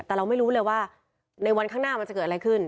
แต่เราไม่รู้เลยว่าในวันข้างหน้ามันจะเกิดอะไรขึ้น